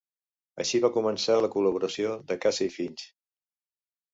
Així va començar la col·laboració de Casey-Finch.